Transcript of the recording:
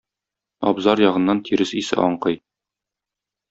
Абзар ягыннан тирес исе аңкый.